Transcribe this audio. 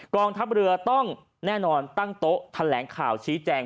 กองทัพเรือต้องแน่นอนตั้งโต๊ะแถลงข่าวชี้แจง